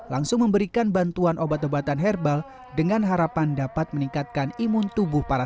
langsung memberikan bantuan obat obatan herbal dengan harapan dapat meningkatkan imun tubuh para